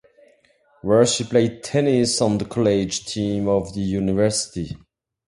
Where she played tennis on the college team of the university.